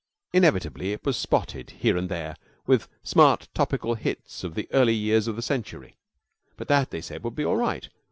Inevitably, it was spotted here and there with smart topical hits of the early years of the century; but that, they said, would be all right.